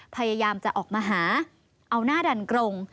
พยายามจะออกมาหาเอาหน้าดันกรง